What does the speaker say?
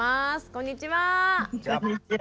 「こんにちは」って。